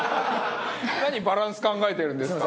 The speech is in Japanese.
何バランス考えてるんですか。